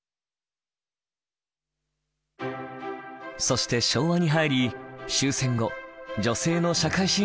そして昭和に入り終戦後女性の社会進出が進みます。